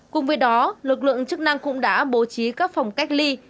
cùng với đó lực lượng chức năng cũng đã bố trí các phòng cách ly